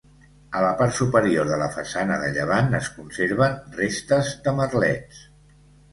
A la part superior de la façana de llevant es conserven restes de merlets.